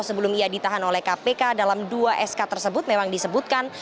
sebelum ia ditahan oleh kpk dalam dua sk tersebut memang disebutkan